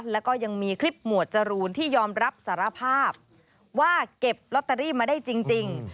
แล้วก็ยังมีคลิปหมวดจรูนที่ยอมรับสารภาพว่าเก็บลอตเตอรี่มาได้จริง